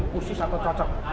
kusir atau cocok